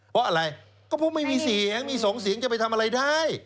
เพราะอะไรก็เพราะไม่มีเสียงมีสองเสียงจะไปทำอะไรได้